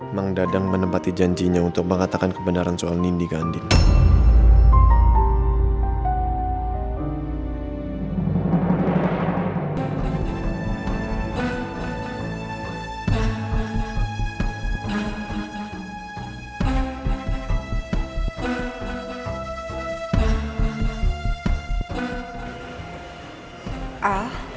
emang dadeng menempati janjinya untuk mengatakan kebenaran soal nindi kandina